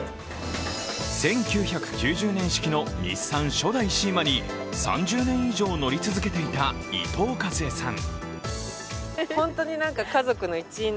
１９９０年式の日産初代シーマに３０年以上乗り続けていた伊藤かずえさん。